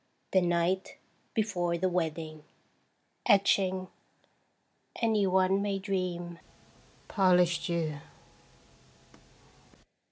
THE NIGHT BEFORE THE WEDDING Etching. 'Any one may dream." Polish Jew.